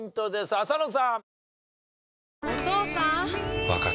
浅野さん。